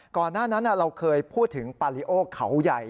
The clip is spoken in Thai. ก่อนหน้านั้นเราเคยพูดถึงปาริโอเขาใหญ่